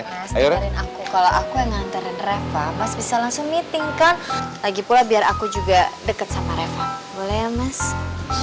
mas nganterin aku kalau aku yang nganterin reva mas bisa langsung meeting kan lagipula biar aku juga deket sama reva boleh ya mas